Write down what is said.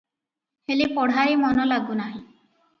ହେଲେ ପଢ଼ାରେ ମନ ଲାଗୁ ନାହିଁ ।